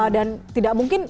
dan tidak mungkin